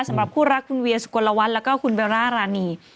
สำหรับคู่รักคุณเวียสุกลวัฒน์แล้วก็คุณเบลล่ารานี